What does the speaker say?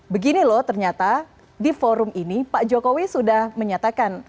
begini loh ternyata di forum ini pak jokowi sudah menyatakan